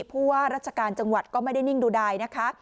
ผู้ว่าราชการจังหวัดก็ไม่ได้นิ่งดูดายนะคะ